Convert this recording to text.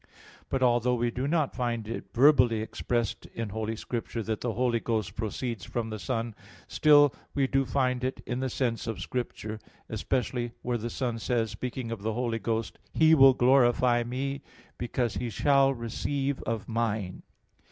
But although we do not find it verbally expressed in Holy Scripture that the Holy Ghost proceeds from the Son, still we do find it in the sense of Scripture, especially where the Son says, speaking of the Holy Ghost, "He will glorify Me, because He shall receive of Mine" (John 16:14).